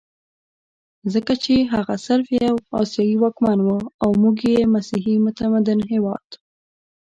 ځکه چې هغه صرف یو اسیایي واکمن وو او موږ یو مسیحي متمدن هېواد.